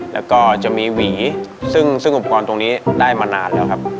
แล้วก็จะมีหวีซึ่งอุปกรณ์ตรงนี้ได้มานานแล้วครับ